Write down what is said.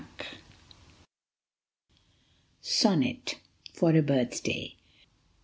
197 SONNET FOR A BIRTHDAY.